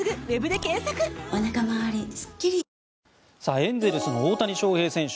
エンゼルスの大谷翔平選手